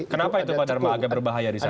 kenapa itu pak dharma agak berbahaya di sana